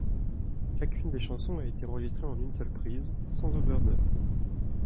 Chacune des chansons a été enregistrée en une seule prise, sans overdub.